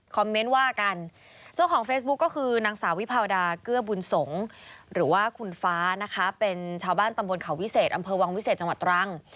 ก็แชร์ปั๊บแล้วก็ทะลมกัน